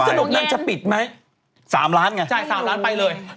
แล้วสนุกนั่งจะปิดไหม๓ล้านไงใช่๓ล้านไปเลย